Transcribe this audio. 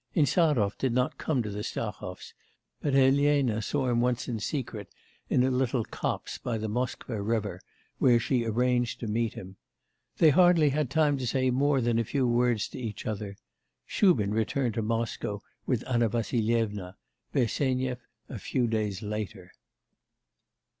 Insarov did not come to the Stahovs, but Elena saw him once in secret in a little copse by the Moskva river, where she arranged to meet him. They hardly had time to say more than a few words to each other. Shubin returned to Moscow with Anna Vassilyevna; Bersenyev, a few days later.